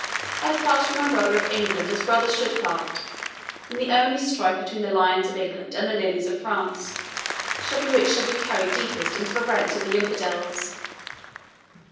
I part from my brother of England as brothers should part, and the only strife between the Lions of England and the Lilies of France shall be which shall be carried deepest into the ranks of the infidels."